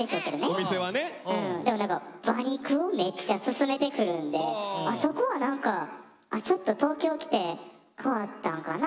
でも何か馬肉をめっちゃ勧めてくるんでそこは何かちょっと東京来て変わったんかな